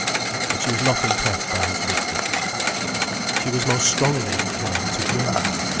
But she was not impressed by his wisdom. She was most strongly inclined to Young.